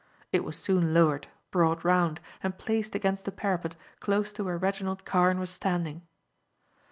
It was soon lowered, brought round, and placed against the parapet close to where Reginald Carne was standing.